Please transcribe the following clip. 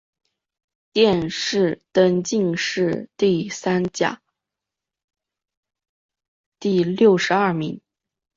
殿试登进士第三甲第六十二名。